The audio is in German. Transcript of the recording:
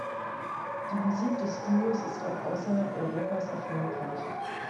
Die Musik des Duos ist auch außerhalb Europas erfolgreich.